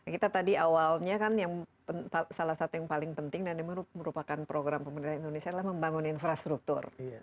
kita tadi awalnya kan yang salah satu yang paling penting dan merupakan program pemerintah indonesia adalah membangun infrastruktur